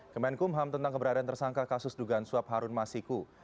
kemenkumham tentang keberadaan tersangka kasus dugaan suap harun masiku